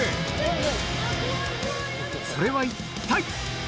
それは一体？